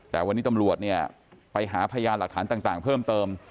แต่วันนี้ตำรวจเนี่ยไปหาพยานหลักฐานต่างเพิ่มเติม